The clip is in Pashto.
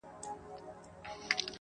زما جانان ګل د ګلاب دی!